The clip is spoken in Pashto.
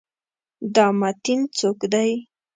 دا متین څوک دی؟